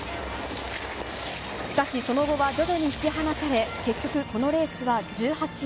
しかしその後は徐々に引き離され、結局、このレースは１８位。